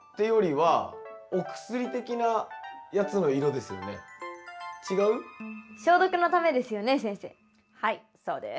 はいそうです。